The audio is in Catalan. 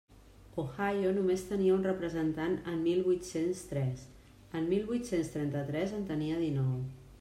Ohio només tenia un representant en mil vuit-cents tres; en mil vuit-cents trenta-tres en tenia dinou.